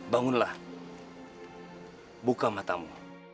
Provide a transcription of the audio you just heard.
bangunlah buka matamu